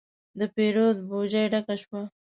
د پیرود بوجي ډکه شوه.